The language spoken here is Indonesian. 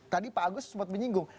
tadi pak agus sempat menyinggung